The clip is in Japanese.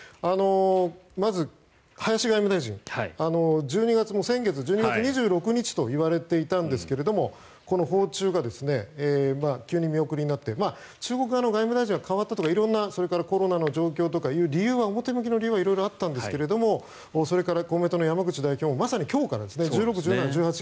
まず、林外務大臣先月、１２月２６日といわれていたんですがこの訪中が急に見送りになって中国側の外務大臣が代わったとかそれからコロナが終わったとか表向きの理由は色々あったんですがそれから公明党の山口代表もまさに今日から１６、１７、１８